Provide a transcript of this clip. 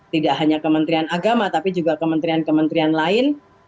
tidak hanya kementerian agama tapi juga kementerian kementerian lain